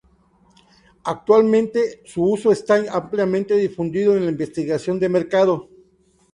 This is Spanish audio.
Actualmente su uso está ampliamente difundido en la investigación de mercado.